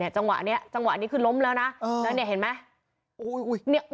จังหวะนี้คือล้มแล้วนะเห็นไหม